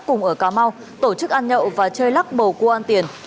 cùng ở cà mau tổ chức ăn nhậu và chơi lắc bầu cua ăn tiền